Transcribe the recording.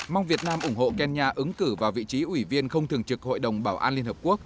mong việt nam ủng hộ kenya ứng cử vào vị trí ủy viên không thường trực hội đồng bảo an liên hợp quốc